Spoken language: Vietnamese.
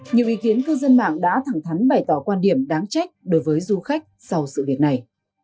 nhiều ý kiến cư dân mạng đã thẳng thắn bày tỏ quan điểm đáng trách đối với du khách sau sự việc này